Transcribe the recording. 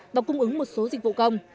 và cung ứng một số dịch vụ công